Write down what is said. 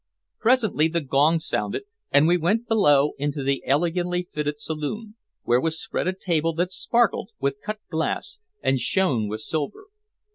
Presently the gong sounded, and we went below into the elegantly fitted saloon, where was spread a table that sparkled with cut glass and shone with silver.